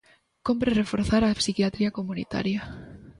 Cómpre reforzar a psiquiatría comunitaria.